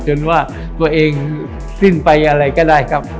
ว่าตัวเองสิ้นไปอะไรก็ได้ครับ